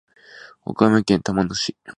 岡山県玉野市